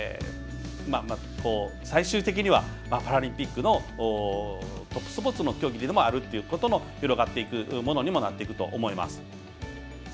最終的にはパラリンピックのトップスポーツの競技でもあるということで広がっていくものでもあると思います。